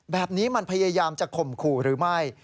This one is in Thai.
แบบนี้มันพยายามจะข่มขู่หรือไม่